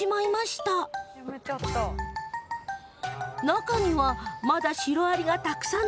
中にはまだシロアリがたくさん残っています。